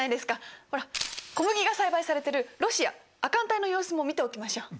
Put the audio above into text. ほら小麦が栽培されてるロシア亜寒帯の様子も見ておきましょう。